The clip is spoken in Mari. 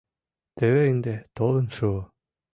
Теве ынде толын шуо.